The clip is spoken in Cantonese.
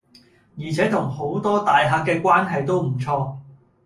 而且同好多大客既關係都唔錯